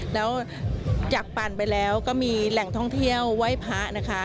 แล้วจากปั่นไปแล้วก็มีแหล่งท่องเที่ยวไหว้พระนะคะ